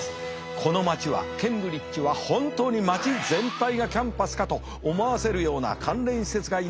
この街はケンブリッジは本当に街全体がキャンパスかと思わせるような関連施設が居並んでひしめいております。